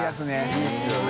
いいですよね。